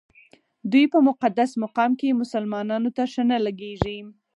دوی په مقدس مقام کې مسلمانانو ته ښه نه لګېږي.